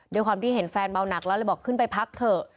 ด้วยความที่เห็นแฟนเมาหนักแล้วเลยบอกขึ้นไปพักเถอะ